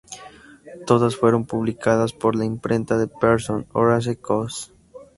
Todas fueron publicadas por la Imprenta de Pearson, Horace Cox.